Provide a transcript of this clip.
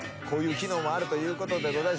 こういう機能もあるということで。